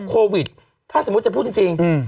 โควิดถ้าสมมุติจะพูดจริง